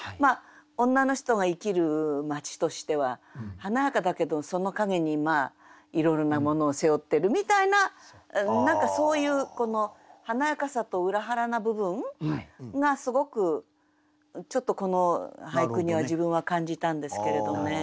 女の人が生きる街としては華やかだけどその陰にいろいろなものを背負ってるみたいな何かそういうこの華やかさと裏腹な部分がすごくちょっとこの俳句には自分は感じたんですけれどね。